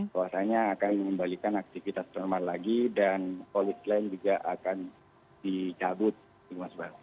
bahwasannya akan mengembalikan aktivitas normal lagi dan polis lain juga akan dicabut mas bas